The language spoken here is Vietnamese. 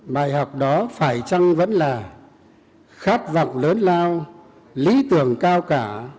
bài học đó phải chăng vẫn là khát vọng lớn lao lý tưởng cao cả